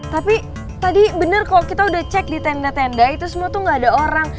tapi tadi bener kalau kita udah cek di tenda tenda itu semua tuh gak ada orang